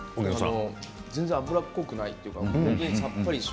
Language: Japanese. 全然、油っぽくないというか、さっぱりとして。